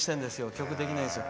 曲できないんですよ。